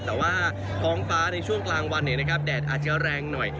แต่ว่าท้องฟ้าในช่วงกลางวันเนี่ยนะครับแดดอาจจะแรงหน่อย